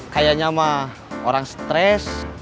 kayaknya mah orang stres